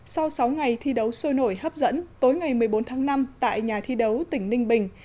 sau sáu ngày thi đấu sôi nổi hấp dẫn tối ngày một mươi bốn tháng năm tại nhà thi đấu tỉnh ninh bình